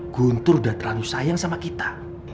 guntur udah terlalu sayang sama kita